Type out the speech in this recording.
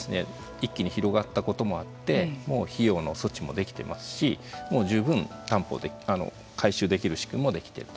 一気に広がったこともあってもう費用の措置もできてますしもう十分回収できる仕組みもできてると。